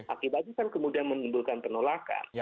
akibatnya kan kemudian menimbulkan penolakan